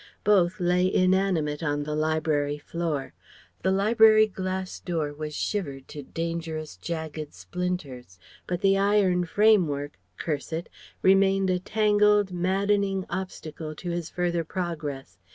Both lay inanimate on the library floor. The library glass door was shivered to dangerous jagged splinters, but the iron framework "Curse it" remained a tangled, maddening obstacle to his further progress.